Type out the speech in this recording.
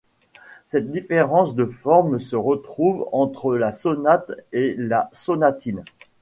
Cette différence de forme se retrouve entre la sonate et la sonatine.